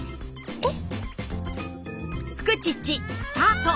えっ！